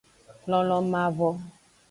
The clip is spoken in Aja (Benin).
Lonlon mavo.